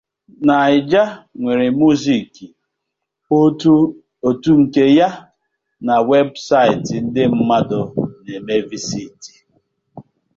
Naija nwere music otu nke ya na website ndi mmadu ne me visit